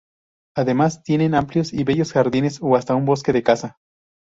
Además tienen amplios y bellos jardines, o hasta un bosque de caza.